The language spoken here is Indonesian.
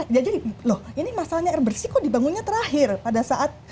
jadi loh ini masalahnya air bersih kok dibangunnya terakhir pada saat